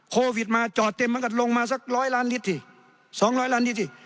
โควิดมาจอดเต็มเหมือนกันลงมาสักร้อยล้านลิตรสิสองร้อยล้านลิตรสิ